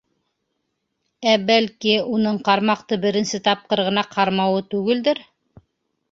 Ә, бәлки, уның ҡармаҡты беренсе тапҡыр ғына ҡармауы түгелдер.